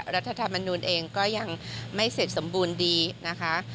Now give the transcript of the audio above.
รัฐธรรมนูลเองก็ยังไม่เสร็จสมบูรณ์ดีนะคะ